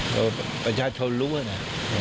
ก็ประชาชนรู้นะ